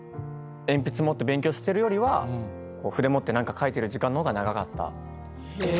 鉛筆持って勉強してるよりは筆持って何か描いてる時間の方が長かった。